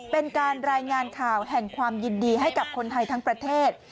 เป็นการรายงานข่าวแห่งความยินดีให้กับคนไทยทั้งประเทศ